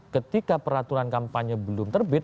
ketika peraturan kampanye belum terbit